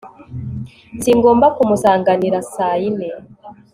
ningomba kumusanganira saa yine